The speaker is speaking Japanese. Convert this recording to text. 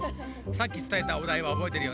さっきつたえたお題はおぼえてるよね？